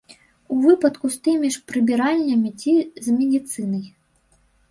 У выпадку з тымі ж прыбіральнямі ці з медыцынай.